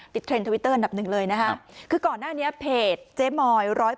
เทรนด์ทวิตเตอร์อันดับหนึ่งเลยนะคะคือก่อนหน้านี้เพจเจ๊มอย๑๐